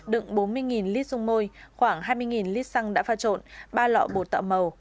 đựng bốn mươi lít dung môi khoảng hai mươi lít xăng đã pha trộn ba lọ bột tạo màu